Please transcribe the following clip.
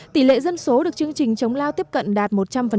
tỷ lệ dân số được chương trình chống lao tiếp cận đạt một trăm linh